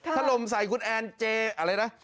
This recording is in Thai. ถล่มใส่คุณแอนเจอะไรนะ